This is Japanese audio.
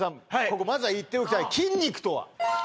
ここまずは言っておきたい「筋肉とは」